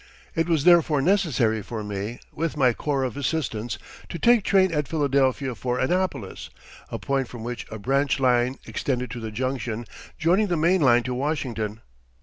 It was therefore necessary for me, with my corps of assistants, to take train at Philadelphia for Annapolis, a point from which a branch line extended to the Junction, joining the main line to Washington.